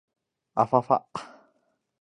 あふぁふぁ